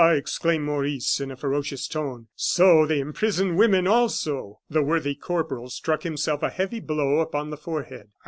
exclaimed Maurice, in a ferocious tone; "so they imprison women also!" The worthy corporal struck himself a heavy blow upon the forehead.